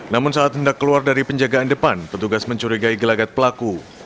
namun saat hendak keluar dari penjagaan depan petugas mencurigai gelagat pelaku